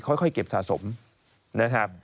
ค่อยเก็บสะสมนะครับ